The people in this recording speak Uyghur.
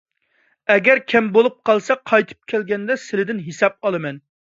ئەگەر كەم بولۇپ قالسا، قايتىپ كەلگەندە سىلىدىن ھېساب ئالىمەن.